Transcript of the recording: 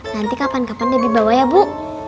nanti kapan kapan debbie bawa ya bu